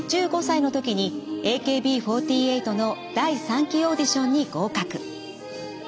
１５歳の時にＡＫＢ４８の第３期オーディションに合格。